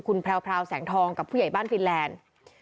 คุณแพรวแสงทองกับผู้ใหญ่บ้านฟินแลนด์